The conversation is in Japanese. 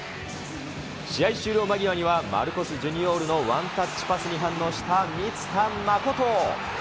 試合終了間際には、マルコス・ジュニオールのワンタッチパスに反応した満田誠。